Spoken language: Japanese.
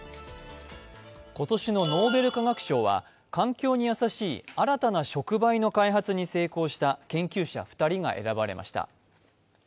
今年のノーベル化学賞は環境に優しい新たな触媒を開発した研究者２人が選ばれました。